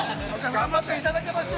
◆頑張っていただきますよ。